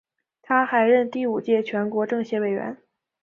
他还任第五届全国政协委员。